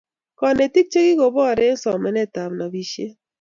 konetik chegigoboor eng somanetab nobishet